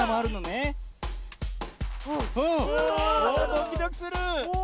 ドキドキする！